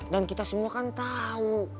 dan kita semua kan tahu